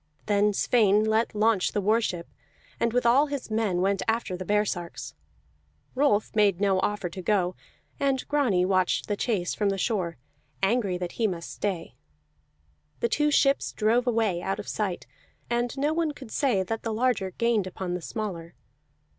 Then Sweyn let launch the war ship, and with all his men went after the baresarks. Rolf made no offer to go, and Grani watched the chase from the shore, angry that he must stay. The two ships drove away out of sight, and no one could say that the larger gained upon the smaller.